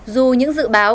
dù những dự báo